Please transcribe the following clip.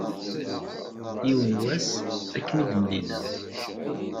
Yiwen was ad akem-id-mlileɣ.